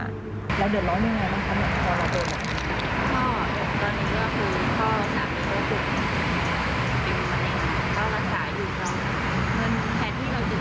แล้วเดี๋ยวเรามีอย่างไรบ้างครับตอนรับโปรด